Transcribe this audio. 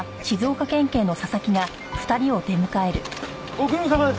ご苦労さまです。